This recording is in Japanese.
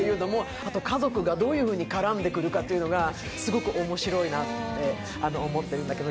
あと家族がどういうふうに絡んでくるかというのがすごく面白いなと思っているんだけど。